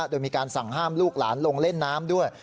โดยมีการสั่งห้ามลูกหลานลงเล่นน้ำด้วย